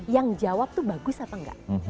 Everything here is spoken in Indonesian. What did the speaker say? yang jawab itu bagus apa enggak